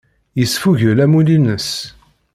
Yesfugel amulli-nnes.